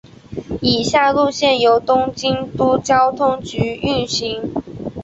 以下路线由东京都交通局运行。